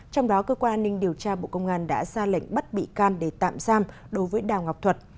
trong đó cơ quan an ninh điều tra bộ công an đã ra lệnh bắt bị can để tạm giam đối với đào ngọc thuật